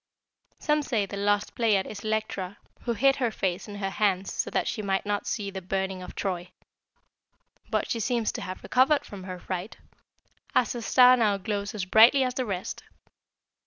"Some say the Lost Pleiad is Electra, who hid her face in her hands so that she might not see the burning of Troy. But she seems to have recovered from her fright, as her star now glows as brightly as the rest.